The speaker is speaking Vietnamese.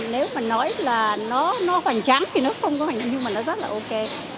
nếu mà nói là nó hoành tráng thì nó không có hoành tráng nhưng mà nó rất là ok